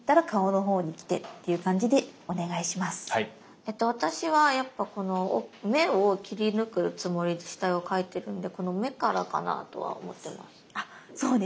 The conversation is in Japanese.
えっと私はやっぱこの目を切り抜くつもりで下絵を描いてるんでこの目からかなとは思ってます。